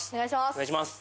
お願いします